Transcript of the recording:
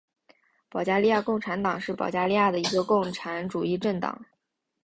保加利亚共产党是保加利亚的一个共产主义政党。